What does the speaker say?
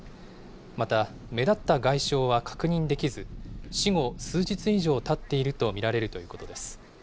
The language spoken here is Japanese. また、目立った外傷は確認できず、死後数日以上たっていると見られるということです。